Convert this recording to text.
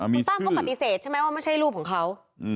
คุณตั้มก็ปฏิเสธใช่ไหมว่าไม่ใช่รูปของเขา